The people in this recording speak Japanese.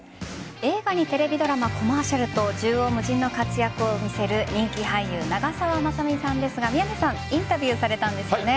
映画にテレビドラマコマーシャルと縦横無尽の活躍を見せる人気俳優・長澤まさみさんですが宮根さんインタビューされたんですよね？